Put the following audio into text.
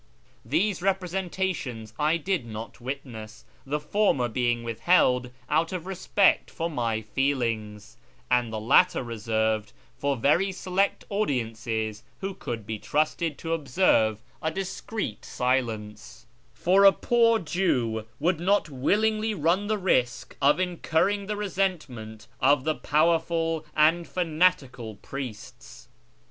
These representations I did not witness, the former being withheld out of respect for my feelings, and the latter reserved for very select audiences who could be trusted to observe a discreet silence ; for a poor Jew would not willingly run the risk of incurring the resentment of the powerful and fanatical priests.